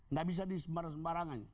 nggak bisa disembar semarangannya